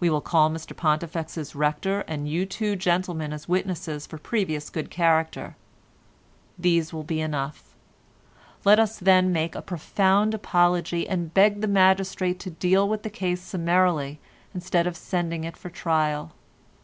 We will call Mr Pontifex's rector and you two gentlemen as witnesses for previous good character. These will be enough. Let us then make a profound apology and beg the magistrate to deal with the case summarily instead of sending it for trial.